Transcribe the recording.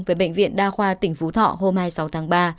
về bệnh viện đa khoa tỉnh phú thọ hôm hai mươi sáu tháng ba